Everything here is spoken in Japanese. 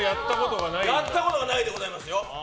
やったことがないでございますよ。